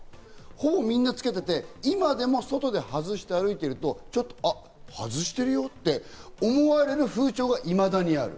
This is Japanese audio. ほぼみんなつけてて、今でも外で外して歩いていると、ちょっと、あっ、外してるよって思われる風潮がいまだにある。